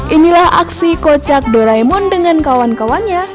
inilah aksi kocak doraemon dengan kawan kawannya